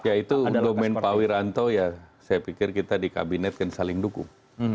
ya itu domen pak wiranto ya saya pikir kita di kabinet kan saling dukung